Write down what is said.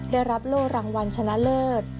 ได้รับโล่รางวัลชนะเลิศ